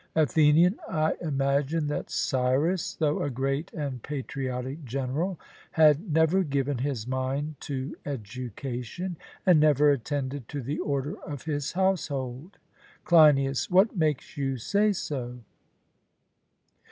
ATHENIAN: I imagine that Cyrus, though a great and patriotic general, had never given his mind to education, and never attended to the order of his household. CLEINIAS: What makes you say so?